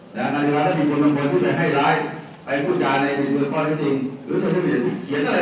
การพิวัติก็มีคนบางคนที่ไม่ให้ร้ายไปพูดจาในวิทยุคอลิศติงฯหรือเศียรอะไรก็ได้